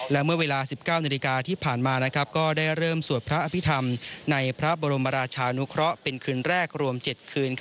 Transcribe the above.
และเมื่อเวลา๑๙นาฬิกาที่ผ่านมาก็ได้เริ่มสวดพระอภิษฐรรมในพระบรมราชานุเคราะห์เป็นคืนแรกรวม๗คืน